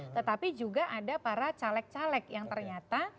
tetapi juga ada para caleg caleg yang ternyata